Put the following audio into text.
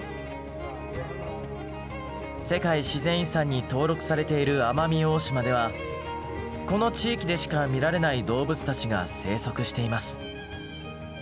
世界自然遺産に登録されている奄美大島ではこの地域でしか見られない動物たちが生息しています。